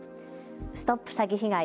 ＳＴＯＰ詐欺被害！